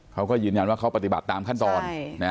เขาก็ยืนยันว่าเขาปฏิบัติตามขั้นตอน